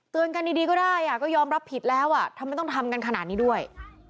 กันดีก็ได้ก็ยอมรับผิดแล้วทำไมต้องทำกันขนาดนี้ด้วย